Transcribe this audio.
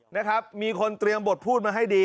นะครับมีคนเตรียมบทพูดมาให้ดี